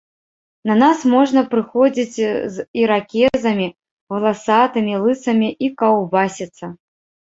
На нас можна прыходзіць з іракезамі, валасатымі, лысымі і каўбасіцца.